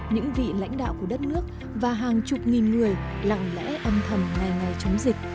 những vị lãnh đạo của đất nước và hàng chục nghìn người lặng lẽ âm thầm ngày ngày chống dịch